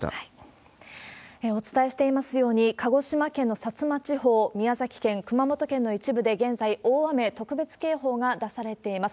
お伝えしていますように、鹿児島県の薩摩地方、宮崎県、熊本県の一部で現在、大雨特別警報が出されています。